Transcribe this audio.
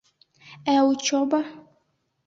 Ә учеба?!